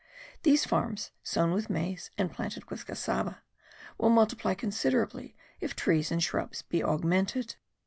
These farms, sown with maize, and planted with cassava, will multiply considerably if trees and shrubs be augmented.